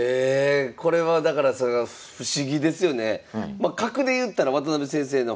まあ格でいったら渡辺先生の方が。